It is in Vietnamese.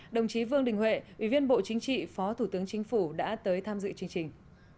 đồng chí vương đình huệ ủy viên bộ chính trị phó thủ tướng chính phủ đã tới tham dự chương trình